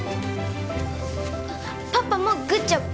パパもグッジョブ！